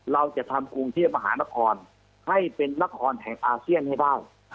เราจะทำกรุงเทพมหานครให้เป็นนครแห่งอาเซียนให้ได้